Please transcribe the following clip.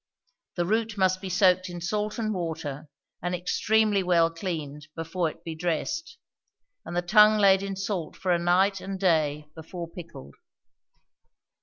The root must be soaked in salt and water, and extremely well cleaned before it be dressed; and the tongue laid in salt for a night and day before pickled.